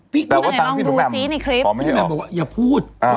พี่หนุ่มแม่มบอกว่าอย่าพูด